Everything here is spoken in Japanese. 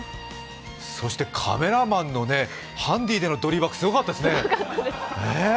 そして、カメラマンのハンディでのドリーバック、すごかったですね。